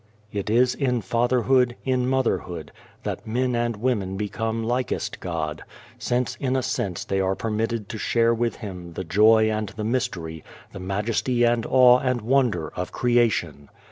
It is in Fatherhood, in Motherhood, that men and women become likest God ; since in a sense they are permitted to share with Him the joy and the mystery, the majesty and awe and wonder of creation.